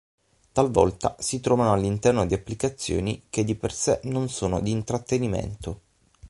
Talvolta si trovano all'interno di applicazioni che di per sé non sono di intrattenimento.